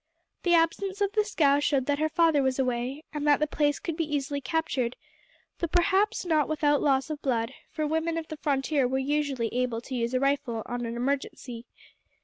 The absence of the scow showed that her father was away, and that the place could be easily captured, though perhaps not without loss of blood, for women of the frontier were usually able to use a rifle on an emergency.